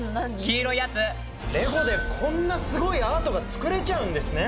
黄色いやつ・レゴでこんなにすごいアートが作れちゃうんですね